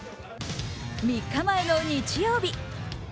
３日前の日曜日。